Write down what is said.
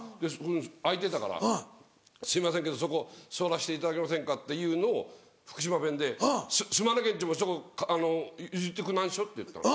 空いてたから「すいませんけどそこ座らしていただけませんか？」っていうのを福島弁で「すまねげどそこ譲ってくなんしょ」って言ったの。